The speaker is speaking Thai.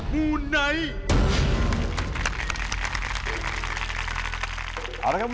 มูไหน